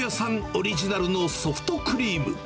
オリジナルのソフトクリーム。